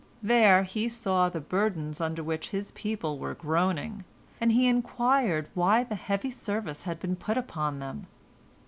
There he saw the burdens under which his people were groaning, and he inquired why the heavy service had been put upon them.